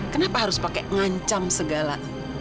kenapa harus pakai ngancam segala